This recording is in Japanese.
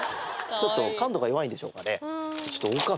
ちょっと感度が弱いんでしょうかね？